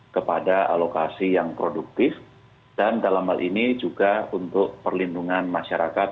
kepada alokasi yang produktif dan dalam hal ini juga untuk perlindungan masyarakat